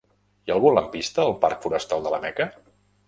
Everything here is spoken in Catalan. Hi ha algun lampista al parc Forestal de la Meca?